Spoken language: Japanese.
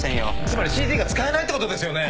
つまりＣＴが使えないってことですよね！？